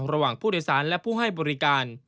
ระหว่างผู้โดยสารและผู้ให้บริการ